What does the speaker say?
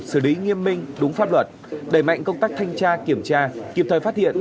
xử lý nghiêm minh đúng pháp luật đẩy mạnh công tác thanh tra kiểm tra kịp thời phát hiện